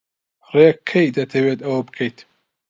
ڕێک کەی دەتەوێت ئەوە بکەیت؟